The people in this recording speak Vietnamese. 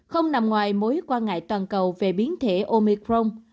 không nằm ngoài mối quan ngại toàn cầu về biến thể omicron